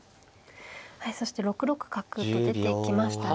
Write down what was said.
はいそして６六角と出ていきましたね。